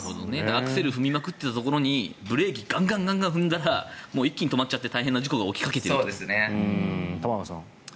アクセルを踏みまくっていたところにブレーキをガンガン踏んだら一気に止まっちゃって玉川さん。